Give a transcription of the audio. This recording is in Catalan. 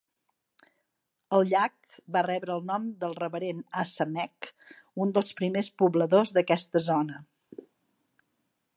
El llac va rebre el nom del Reverend Asa Meech, un dels primers pobladors d'aquesta zona.